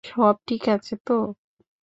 সব ঠিক আছে তো?